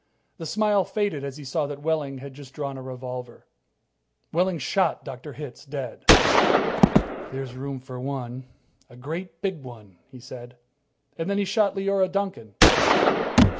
The smile faded as he saw that Wehling had just drawn a revolver. Wehling shot Dr. Hitz dead. "There's room for one a great big one," he said. And then he shot Leora Duncan.